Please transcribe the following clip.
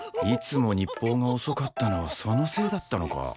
いつも日報が遅かったのはそのせいだったのか。